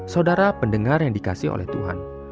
saudara pendengar yang dikasih oleh tuhan